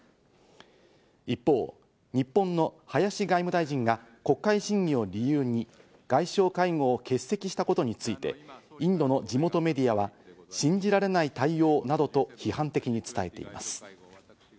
一方、日本の林外務大臣が国会審議を理由に外相会合を欠席したことについて、インドの地元メディアは信じられない対応などと批判的に伝えています。